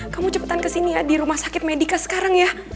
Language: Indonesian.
kamu cepetan kesini ya di rumah sakit medica sekarang ya